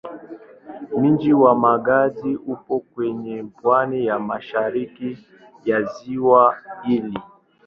Mji wa Magadi upo kwenye pwani ya mashariki ya ziwa hili.